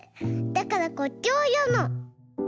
だからこっちをよむの。